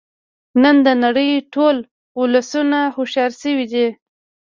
نن د نړۍ ټول ولسونه هوښیار شوی دی